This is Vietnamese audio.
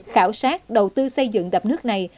khảo sát đầu tư xây dựng đập nước này